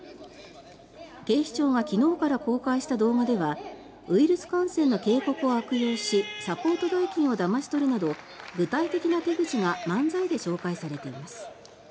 警視庁が昨日から公開した動画ではウイルス感染の警告を悪用しサポート代金をだまし取るなど具体的な手口が漫才で紹介されています。